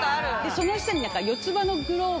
その下に。